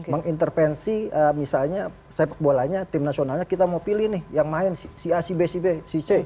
mengintervensi misalnya sepak bolanya tim nasionalnya kita mau pilih nih yang main si a si b si b si c